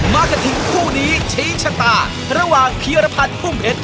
มากระทิงผู้หนีชีชะตาระหว่างเพียรพันธ์พุ่งเห็ด